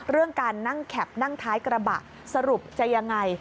เรื่องการนั่งแคปนั่งท้ายกระบะสรุปจะยังไง